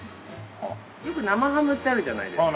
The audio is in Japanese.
よく生ハムってあるじゃないですか。